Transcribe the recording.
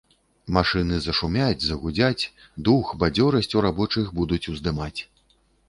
Машыны зашумяць, загудзяць, дух, бадзёрасць у рабочых будуць уздымаць.